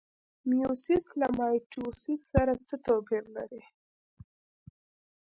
میوسیس له مایټوسیس سره څه توپیر لري؟